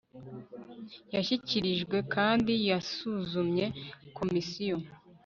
yashyikirijwe kandi yasuzumye Komisiyo